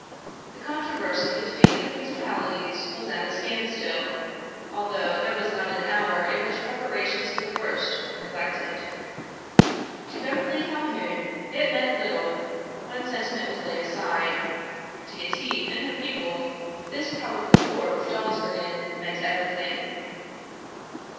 The controversy between the principalities was at a standstill, although there was not an hour in which preparations for the worst were neglected. To Beverly Calhoun, it meant little when sentiment was laid aside; to Yetive and her people this probable war with Dawsbergen meant everything.